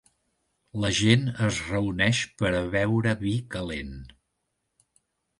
La gent es reuneix per a beure vi calent.